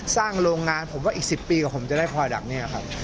โรงงานผมว่าอีก๑๐ปีกว่าผมจะได้คอยดักเนี่ยครับ